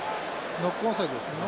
ノックオンオフサイドですね。